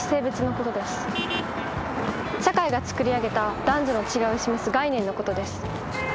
社会が作り上げた男女の違いを示す概念のことです。